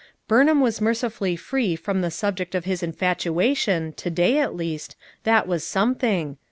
Burnham was mercifully free from the subject of his infatua tion to day, at least, that was something.